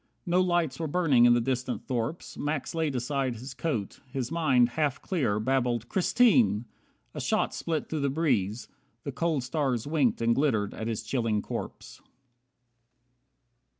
No lights were burning in the distant thorps. Max laid aside his coat. His mind, half clear, Babbled "Christine!" A shot split through the breeze. The cold stars winked and glittered at his chilling corpse.